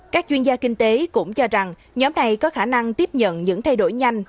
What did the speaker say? các chuyên gia kinh tế cũng cho rằng nhóm này có khả năng tiếp nhận những thay đổi nhanh